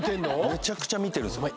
めちゃくちゃ見てるんですお前